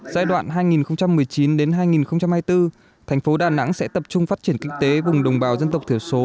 giai đoạn hai nghìn một mươi chín hai nghìn hai mươi bốn thành phố đà nẵng sẽ tập trung phát triển kinh tế vùng đồng bào dân tộc thiểu số